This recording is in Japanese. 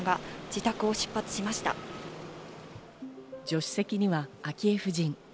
助手席には昭恵夫人。